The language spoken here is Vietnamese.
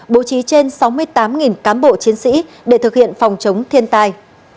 bố trí trên sáu mươi tám cán bộ chiến sĩ để thực hiện phòng chống thiên tai